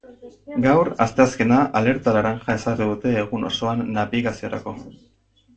Gaur, asteazkena, alerta laranja ezarri dute egun osoan nabigaziorako.